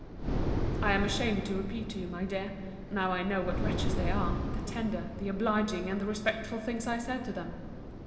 I am ashamed to repeat to you, my dear, now I know what wretches they are, the tender, the obliging, and the respectful things I said to them.